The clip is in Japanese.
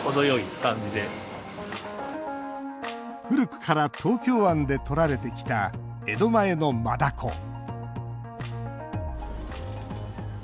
古くから東京湾でとられてきた江戸前のマダコ。